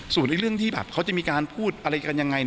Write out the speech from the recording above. ส่วนเรื่องที่แบบเขาจะมีการพูดอะไรกันยังไง